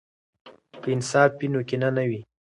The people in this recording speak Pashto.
که انصاف وي، نو کینه نه وي.